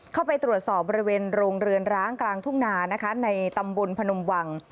เข้าไปตรวจสอบบริเวณโรงเรือนร้างกลางทุ่งนานะคะในตำบลพนมวัง